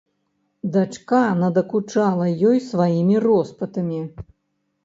Дачка надакучала ёй сваімі роспытамі.